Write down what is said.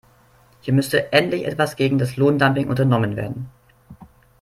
Hier müsste endlich etwas gegen das Lohndumping unternommen werden.